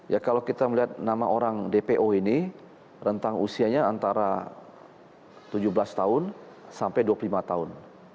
ya kalau kita melihat nama orang dpo ini rentang usianya antara tujuh belas tahun sampai dua puluh lima tahun